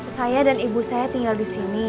saya dan ibu saya tinggal disini